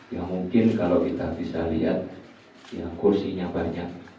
ya mungkin kalau kita bisa lihat ya kursinya banyak